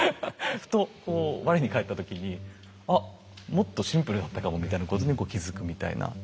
ふとこう我に返った時に「あっもっとシンプルだったかも」みたいなことにこう気付くみたいな。